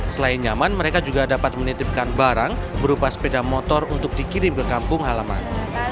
selain nyaman mereka juga dapat menitipkan barang berupa sepeda motor untuk dikirim ke kampung halaman